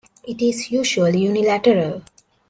It is usually unilateral.